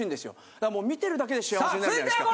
だからもう見てるだけで幸せになるじゃないですか。